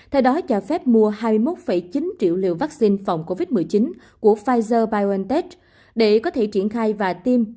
theo đó cho phép mua hai mươi một chín triệu liều vaccine phòng covid một mươi chín của pfizer biontech để có thể triển khai và tiêm